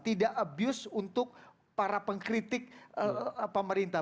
tidak abuse untuk para pengkritik pemerintah